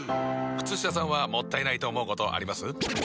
靴下さんはもったいないと思うことあります？